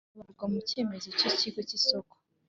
Busobanurwa mu cyemezo cy ikigo cy isoko